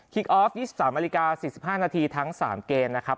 ออฟ๒๓นาฬิกา๔๕นาทีทั้ง๓เกมนะครับ